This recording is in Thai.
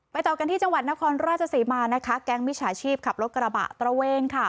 ต่อกันที่จังหวัดนครราชศรีมานะคะแก๊งมิจฉาชีพขับรถกระบะตระเวนค่ะ